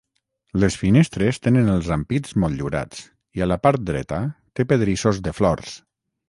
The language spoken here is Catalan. Les finestres tenen els ampits motllurats, i a la part dreta té pedrissos de flors.